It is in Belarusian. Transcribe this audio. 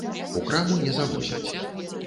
У краму не завозяць.